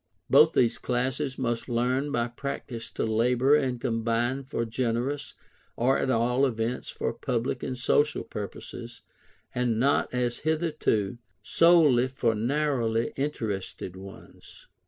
Both these classes must learn by practice to labour and combine for generous, or at all events for public and social purposes, and not, as hitherto, solely for narrowly interested ones.